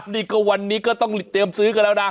นี่ก็วันนี้ก็ต้องเตรียมซื้อกันแล้วนะ